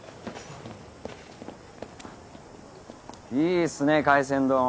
いいっすね海鮮丼。